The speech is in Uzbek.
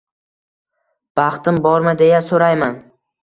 Baxtim bormi, deya so’rayman.